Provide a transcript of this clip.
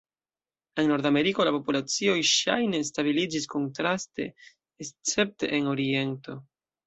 En Nordameriko la populacioj ŝajne stabiliĝis kontraste, escepte en oriento.